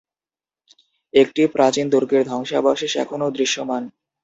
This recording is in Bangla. একটি প্রাচীন দুর্গের ধ্বংসাবশেষ এখনও দৃশ্যমান।